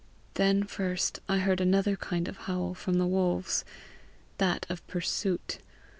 Then first I heard another kind of howl from the wolves that of pursuit.